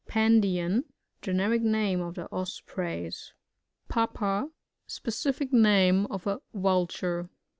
Pandion. — Generic name of the Os preys. Papa. — Specific name of a Vulture.